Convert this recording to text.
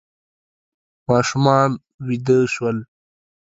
ماشومان ویده شول.